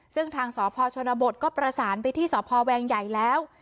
ซึ่งทางสอบพอร์ชนบทก็ประสานไปที่สอบพอร์แวงใหญ่แล้ว